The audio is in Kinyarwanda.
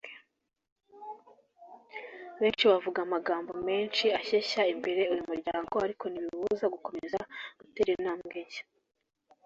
Benshi bavuga amagambo menshi ashyeshya imbere uyu muryango ariko nibiwubuza gukomeza gutera intambwe nshya.